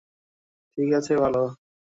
ঠিক আছে, ভালো।